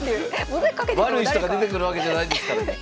悪い人が出てくるわけじゃないですからね。